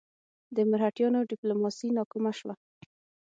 د مرهټیانو ډیپلوماسي ناکامه شوه.